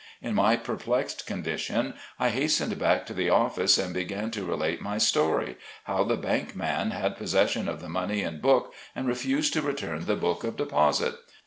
In my perplexed condition I hastened back to the office and began to relate my story, how the bank man had possession of the money and book, and refused to return the book of deposit.